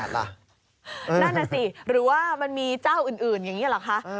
นั่นน่ะสิหรือว่ามันมีเจ้าอื่นอย่างนี้เหรอคะ